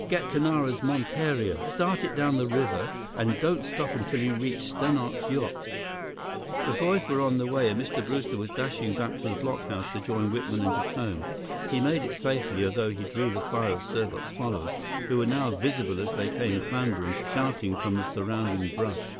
Get to Nara's monteria. Start it down the river, and don't stop until you reach Stannart's yacht!" The boys were on their way, and Mr. Brewster was dashing back to the blockhouse, to join Whitman and Jacome. He made it safely, although he drew the fire of Serbot's followers, who were now visible as they came clambering, shouting, from the surrounding brush.